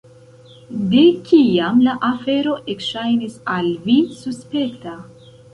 De kiam la afero ekŝajnis al vi suspekta?